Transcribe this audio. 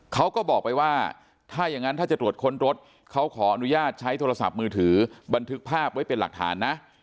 เขาก็บอกไปว่าถ้าอย่างนั้นถ้าจะตรวจค้นรถเขาขออนุญาตใช้โทรศัพท์มือถือบันทึกภาพไว้เป็นหลักฐานนะ